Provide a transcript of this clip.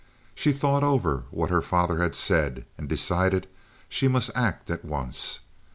She thought over what her father had said, and decided she must act at once.